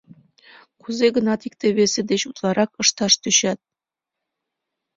Кузе гынат икте-весе деч утларак ышташ тӧчат.